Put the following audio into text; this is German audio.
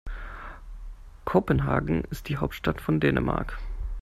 Kopenhagen ist die Hauptstadt von Dänemark.